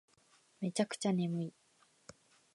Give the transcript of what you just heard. めちゃくちゃ眠い